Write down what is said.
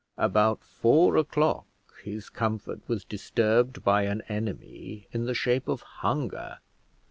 About four o'clock his comfort was disturbed by an enemy in the shape of hunger.